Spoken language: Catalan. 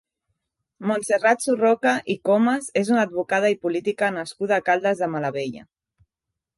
Montserrat Surroca i Comas és una advocada i política nascuda a Caldes de Malavella.